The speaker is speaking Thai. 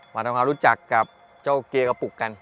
มาทำความรู้จักกับเจ้าเกียร์กระปุกกัน